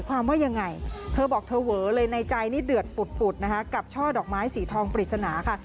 ว่ายังไงเธอบอกเธอเวอเลยในใจนี่เดือดปุดนะคะกับช่อดอกไม้สีทองปริศนาค่ะ